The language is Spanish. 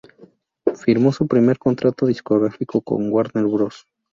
Firmó su primer contrato discográfico con Warner Bros.